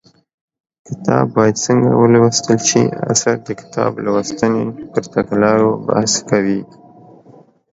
کتاب باید څنګه ولوستل شي اثر د کتاب لوستنې پر تګلارو بحث کوي